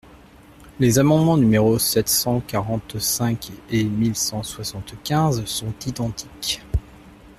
Les amendements numéros sept cent quarante-cinq et mille cent soixante-quinze sont identiques.